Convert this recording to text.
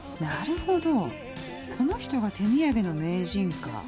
なるほどこの人が手土産の名人か